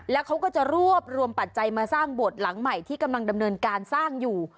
แล้วเขาก็จะรวบรวมปัจจัยมาสร้างบทหลังใหม่ที่กำลังดำเนินการสร้างอยู่